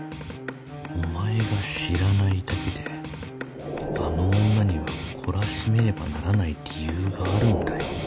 「お前が知らないだけであの女には懲らしめねばならない理由があるんだよ」